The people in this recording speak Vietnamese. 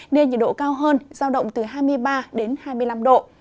nên nhiệt độ cao hơn giao động từ hai mươi ba đến hai mươi năm độ